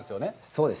そうです。